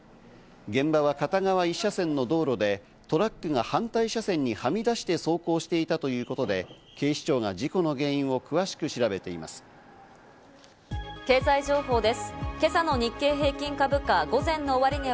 現場は片側１車線の道路で、トラックが反対車線にはみ出して走行していたということで、警視庁が事故の原因を詳しく調べています。